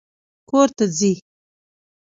کور ته ځې؟